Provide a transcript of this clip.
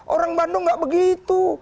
orang bandung nggak begitu